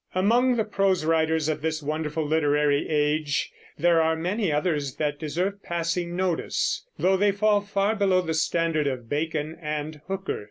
Among the prose writers of this wonderful literary age there are many others that deserve passing notice, though they fall far below the standard of Bacon and Hooker.